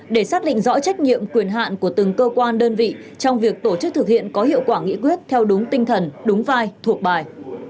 để xác định rõ trách nhiệm quyền hạn của từng cơ quan đơn vị trong việc tổ chức thực hiện có hiệu quả nghị quyết theo đúng tinh thần đúng vai thuộc bài